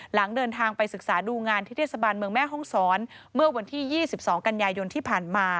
หลังเดินทางไปศึกษาดูงานที่เทศบาลเมืองแม่ห้องศรเมื่อวันที่๒๒กันยายนที่ผ่านมา